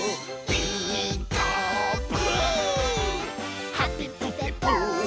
「ピーカーブ！」